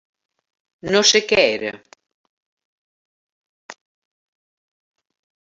No sé què era.